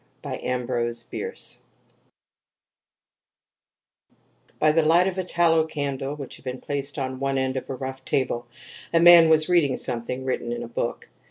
P. Putnam's Sons I By THE light of a tallow candle, which had been placed on one end of a rough table, a man was reading something written in a book.